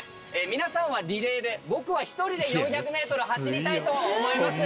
皆さんはリレーで僕は１人で４００ｍ走りたいと思います。